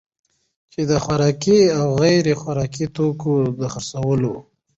چي د خوراکي او غیر خوراکي توکو دخرڅولو